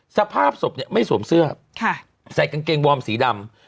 สภาพศพเนี่ยไม่สวมเสื้อใส่กางเกงวอร์มสีดำ